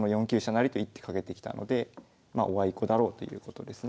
成と１手かけてきたのでまあおあいこだろうということですね。